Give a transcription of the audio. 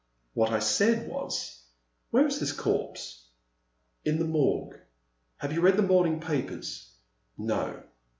" What I said was, Where is this corpse?*' " In the Morgue — ^have you read the morning papers? No